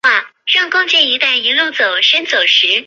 他抵达米斯龙德的精灵王国重新建交。